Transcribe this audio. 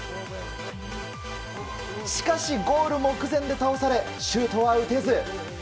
しかし、ゴール目前で倒されシュートは打てず。